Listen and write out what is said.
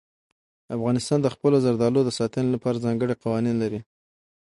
افغانستان د خپلو زردالو د ساتنې لپاره ځانګړي قوانین لري.